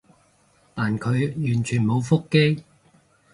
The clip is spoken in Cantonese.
但佢完全冇覆機